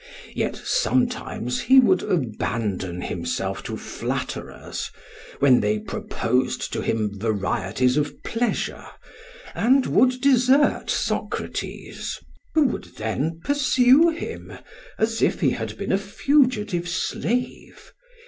Yet sometimes he would abandon himself to flatterers, when they proposed to him varieties of pleasure, and would desert Socrates; who then would pursue him, as if he had been a fugitive slave.